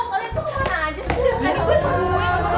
tuh lo ngeliat tuh kemana aja sih tadi gue nungguin